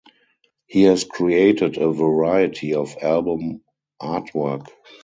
He has created a variety of album artwork.